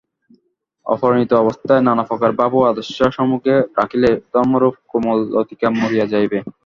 অপরিণত অবস্থায় নানাপ্রকার ভাব ও আদর্শ সম্মুখে রাখিলে ধর্মরূপ কোমল লতিকা মরিয়া যাইবে।